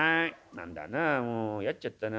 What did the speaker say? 何だなもう弱っちゃったな。